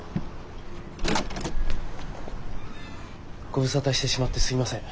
ご無沙汰してしまってすみません。